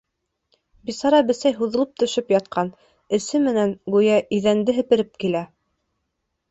Бисара бесәй һуҙылып төшөп ятҡан: эсе менән, гүйә, иҙәнде һепереп килә.